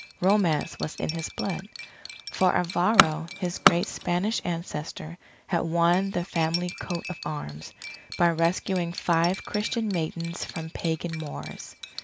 Romance was in his blood, for Alvaro, his great Spanish ancestor, had won the family coat of arms, by rescuing five Christian maidens from pagan Moors.